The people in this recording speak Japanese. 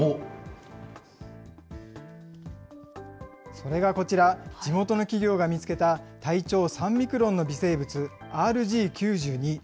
それがこちら、地元の企業が見つけた体長３ミクロンの微生物、ＲＧ９２。